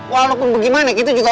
walaupun bagaimana kita juga